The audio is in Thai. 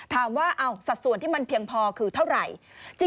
สัดส่วนที่มันเพียงพอคือเท่าไหร่